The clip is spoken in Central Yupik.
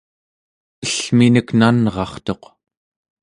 ellminek nanrartuq